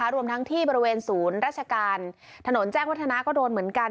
รวมทั้งที่บริเวณศูนย์ราชการถนนแจ้งวัฒนาก็โดนเหมือนกัน